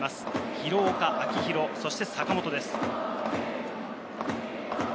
廣岡秋広そして坂本です。